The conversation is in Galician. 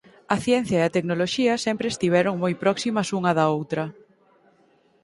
A ciencia e a tecnoloxía sempre estiveron moi próximas unha da outra.